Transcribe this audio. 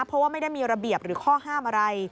เพราะว่าไม่ได้มีระเบียบหรือข้อห้ามอะไร